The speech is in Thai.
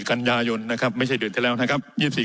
กันยายนนะครับไม่ใช่เดือนที่แล้วนะครับ